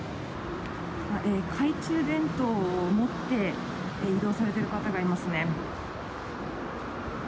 懐中電灯を持って移動されている方がいますね。